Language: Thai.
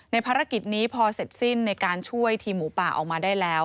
ภารกิจนี้พอเสร็จสิ้นในการช่วยทีมหมูป่าออกมาได้แล้ว